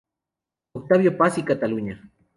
Octavio Paz y Cataluña".